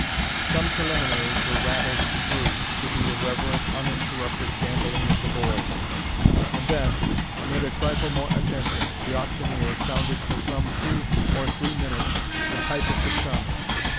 Some preliminaries were rattled through, to the irreverent, uninterrupted gambolling of the boys; and then, amid a trifle more attention, the auctioneer sounded for some two or three minutes the pipe of the charmer.